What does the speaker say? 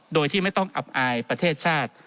โดยที่ไม่ต้องอับอายประเทศชาติ